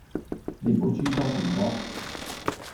你唔好諸多辯駁?